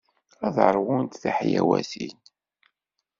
Ad ṛwunt tiḥlawatin.